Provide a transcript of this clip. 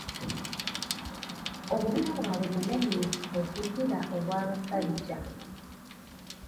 Obubina bwabwe bunene okukira obw'abasajja.